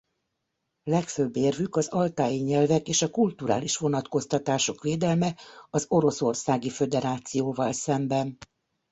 Legfőbb érvük az altáji nyelvek és a kulturális vonatkoztatások védelme az Oroszországi Föderációval szemben.